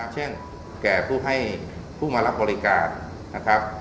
เช่นแก่ผู้ให้ผู้มารับบริการนะครับ